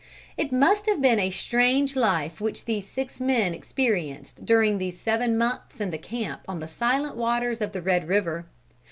It must have been a strange life which these six men experienced during these seven months in the camp on the silent waters of the Red River.